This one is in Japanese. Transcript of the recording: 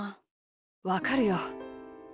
わかるよ。